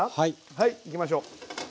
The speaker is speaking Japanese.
はいいきましょう。